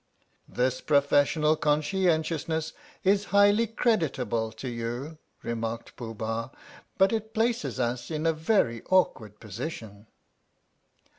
"This professional conscientiousness is highly creditable to you," remarked Pooh Bah, "but it places us in a very awkward position."